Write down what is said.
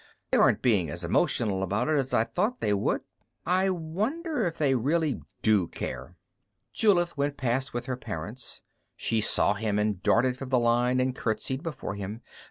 They aren't being as emotional about it as I thought they would. I wonder if they really do care._ Julith went past with her parents. She saw him and darted from the line and curtsied before him.